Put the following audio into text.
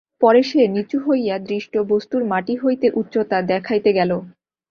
পরে সে নিচু হইয়া দৃষ্ট বস্তুর মাটি হইতে উচ্চতা দেখাইতে গেল।